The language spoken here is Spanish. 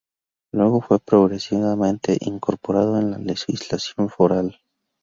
Luego fue progresivamente incorporado en la legislación foral.